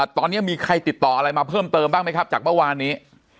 ตอนนี้มีใครติดต่ออะไรมาเพิ่มเติมบ้างไหมครับจากเมื่อวานนี้